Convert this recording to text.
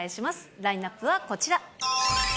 ラインナップはこちら。